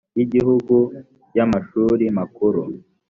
y igihugu y amashuri makuru